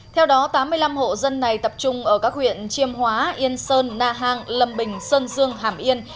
theo đó tám mươi năm hộ dân này tập trung ở các huyện chiêm hóa yên sơn na hàng lâm bình sơn dương hàm yên